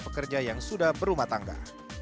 pekerja yang sudah berumah tangga